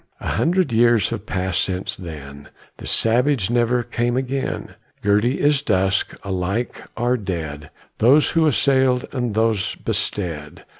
A hundred years have passed since then; The savage never came again. Girty is dust; alike are dead Those who assailed and those bestead.